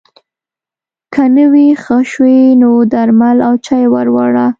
که نه وي ښه شوی نو درمل او چای ور وړه